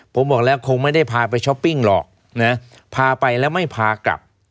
ผมบอกแล้วคงไม่ได้พาไปช้อปปิ้งหรอกนะพาไปแล้วไม่พากลับ